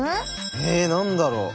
え何だろう？